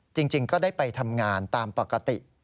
จริงก็ได้ไปทำงานตามปกติ